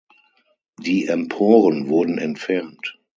Die Emporen wurden entfernt.